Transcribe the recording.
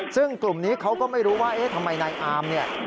ซึ่งกลุ่มนี้เขาก็ไม่รู้ว่าเอ๊ะทำไมนายอามเนี่ย